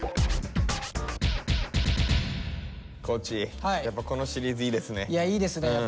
地やっぱこのシリーズいいですね。